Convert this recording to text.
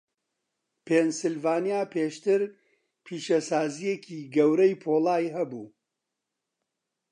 پێنسیلڤانیا پێشتر پیشەسازییەکی گەورەی پۆڵای هەبوو.